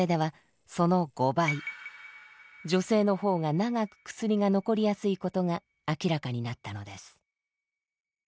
女性の方が長く薬が残りやすいことが明らかになったのです。